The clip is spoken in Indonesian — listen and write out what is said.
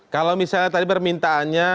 kalau misalnya tadi permintaannya